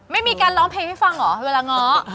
ไม่มีการร้องเพลงให้ฟังเหรอเวลาง้อ